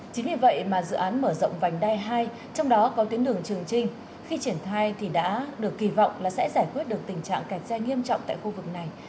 chính vì vậy mà dự án mở rộng vành đai hai trong đó có tuyến đường trường trinh khi triển khai thì đã được kỳ vọng là sẽ giải quyết được tình trạng kẹt xe nghiêm trọng tại khu vực này